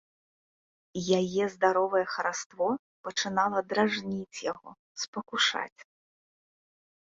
Яе здаровае хараство пачынала дражніць яго, спакушаць.